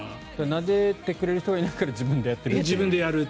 なでてくれる人がいないから自分でやっている。